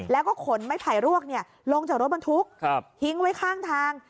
แล้วก็ขนไม้ไผ่รวกลงจากรถบรรทุกทิ้งไว้ข้างทาง